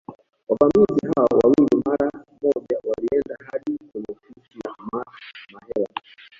Wavamizi hao wawili mara moja walienda hadi kwenye ofisi ya Mark Mahela